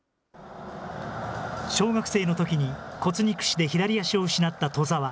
小学生のときに骨肉腫で左足を失った兎澤。